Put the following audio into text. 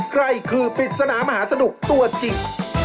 ใครคือปริศนามหาสนุกตัวจริง